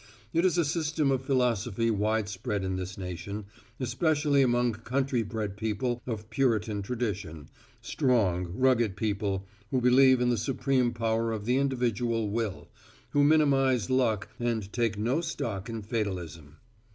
It is a system of philosophy widespread in this nation, especially among country bred people of Puritan tradition, strong, rugged people who believe in the supreme power of the individual will, who minimize luck and take no stock in fatalism.